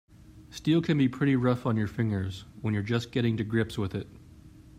Steel can be pretty rough on your fingers when you're just getting to grips with it.